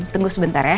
tunggu sebentar ya